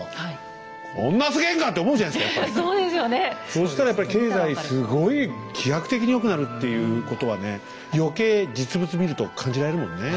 そうしたらやっぱり経済すごい飛躍的に良くなるっていうことはね余計実物見ると感じられるもんね。